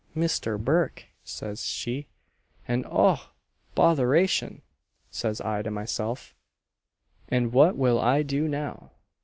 Misther Burke!' says she and 'Och botheration!' says I to myself, 'and what will I do now?'"